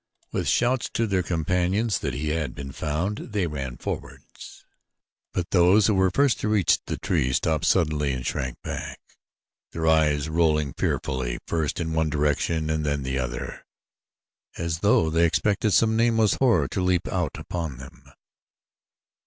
With shouts to their companions that he had been found they ran forwards; but those who were first to reach the tree stopped suddenly and shrank back, their eyes rolling fearfully first in one direction and then in another as though they expected some nameless horror to leap out upon them.